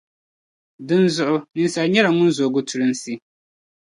Dinzuɣu, ninsala nyɛla ŋun zooi gutulunsi.